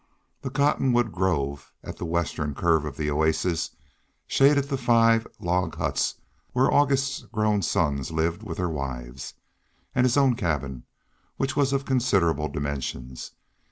The cottonwood grove, at the western curve of the oasis, shaded the five log huts where August's grown sons lived with their wives, and his own cabin, which was of considerable dimensions.